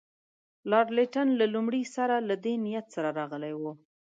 لارډ لیټن له لومړي سره له دې نیت سره راغلی وو.